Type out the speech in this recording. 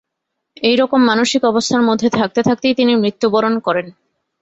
এইরকম মানসিক অবস্থার মধ্যে থাকতে থাকতেই তিনি মৃত্যুবরণ করেন।